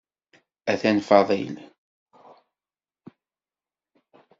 Atan Fadil.